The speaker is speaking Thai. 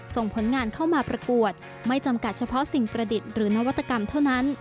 ส่งผลงานเข้ามาประกวดไม่จำกัดเฉพาะสิ่งประดิษฐ์หรือนวัตกรรมเท่านั้น